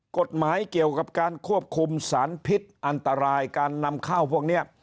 กฎหมายเกี่ยวกับการควบคุมสารพิษอันตรายการนำเข้าพวกนี้